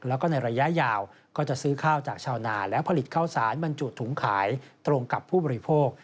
แล้วก็ในระยะยาวก็จะซื้อข้าวจากชาวนาและผลิตข้าวสารบรรจุถุงขายตรงกับผู้บริโภค